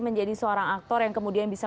menjadi seorang aktor yang kemudian bisa